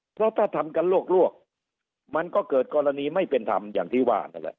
เพราะถ้าทำกันลวกมันก็เกิดกรณีไม่เป็นธรรมอย่างที่ว่านั่นแหละ